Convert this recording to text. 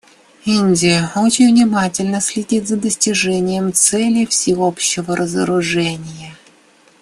Индия очень внимательно следит за достижением цели всеобщего разоружения.